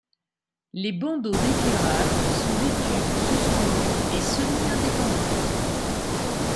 Les bandeaux d'éclairages sont des tubes suspendus et semi-indépendants.